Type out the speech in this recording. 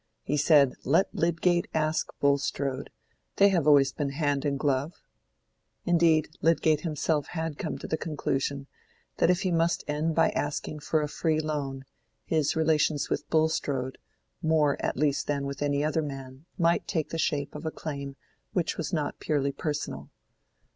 He said, let Lydgate ask Bulstrode: they have always been hand and glove." Indeed, Lydgate himself had come to the conclusion that if he must end by asking for a free loan, his relations with Bulstrode, more at least than with any other man, might take the shape of a claim which was not purely personal.